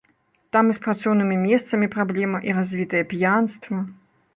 Там і з працоўнымі месцамі праблема і развітае п'янства.